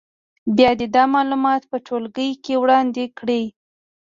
بیا دې دا معلومات په ټولګي کې وړاندې کړي.